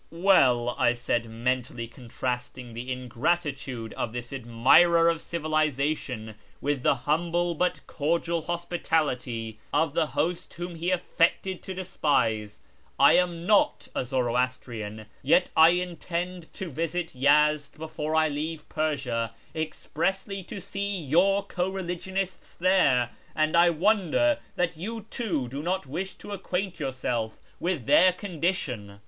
" Well," I said, mentally contrasting the ingratitude of this admirer of civilisation with the humble but cordial hospitality of the host whom he affected to despise, " I am not a Zoroastrian, yet I intend to visit Yezd before I leave Persia, expressly to see your co religionists there, and I wonder that you too do not wish to acquaint yourself with their condition."